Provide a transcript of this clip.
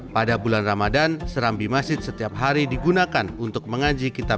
pada bulan ramadan serambi masjid setiap hari digunakan untuk mengaji kitab